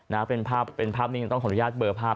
นะเป็นภาพเป็นภาพนิ่งต้องขออนุญาตเบอร์ภาพ